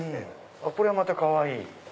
これはまたかわいい！